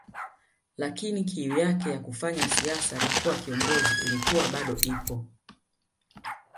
Lakini kiu yake ya kufanya siasa na kuwa kiongozi ilikuwa bado ipo